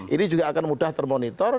ini juga akan mudah termonitor